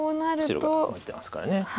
白が待ってますから。